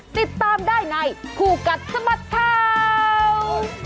ติดตามได้ในคู่กัดสะบัดข่าว